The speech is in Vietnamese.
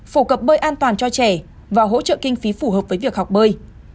phổ cập bơi an toàn cho trẻ và hỗ trợ kinh phí phù hợp với việc học bơi